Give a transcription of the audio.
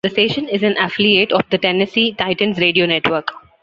The station is an affiliate of the Tennessee Titans radio network.